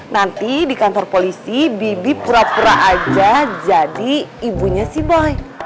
nanti di kantor polisi bibi pura pura aja jadi ibunya si boy